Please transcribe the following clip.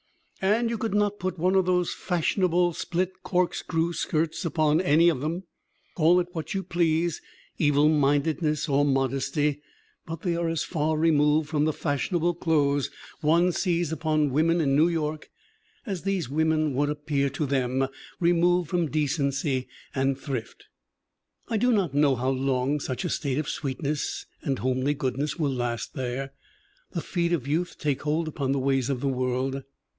"And you could not put one of these fashionable split corkscrew skirts upon any of them. Call it what you please, evil mindedness or modesty, but they are as far removed from the fashionable clothes one sees 153 154 THE WOMEN WHO MAKE OUR NOVELS upon women in New York as these women would ap pear to them removed from decency and thrift. "I do not know how long such a state of sweetness and homely goodness will last there. The feet of youth take hold upon the ways of the world.